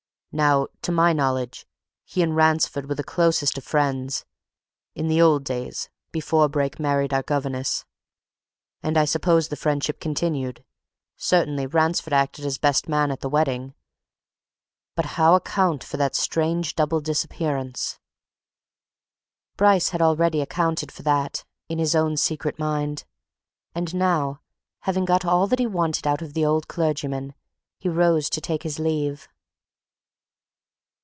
Now, to my knowledge, he and Ransford were the closest of friends in the old days, before Brake married our governess. And I suppose the friendship continued certainly Ransford acted as best man at the wedding! But how account for that strange double disappearance?" Bryce had already accounted for that, in his own secret mind. And now, having got all that he wanted out of the old clergyman, he rose to take his leave.